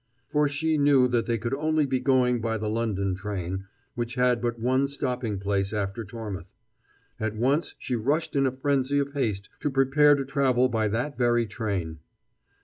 for she knew that they could only be going by the London train, which had but one stopping place after Tormouth. At once she rushed in a frenzy of haste to prepare to travel by that very train.